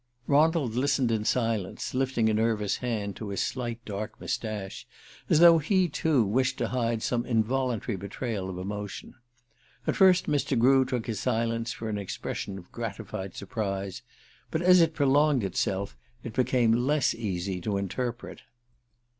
Ronald listened in silence, lifting a nervous hand to his slight dark moustache, as though he, too, wished to hide some involuntary betrayal of emotion. At first Mr. Grew took his silence for an expression of gratified surprise; but as it prolonged itself it became less easy to interpret.